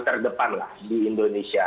terdepan di indonesia